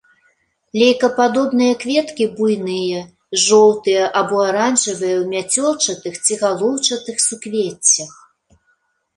Лейкападобныя кветкі буйныя, жоўтыя або аранжавыя ў мяцёлчатых ці галоўчатых суквеццях.